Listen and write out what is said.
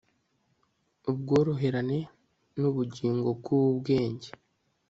ubworoherane nubugingo bwubwenge